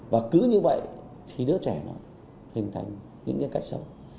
và cứ như vậy thì đứa trẻ nó hình thành những cái sâu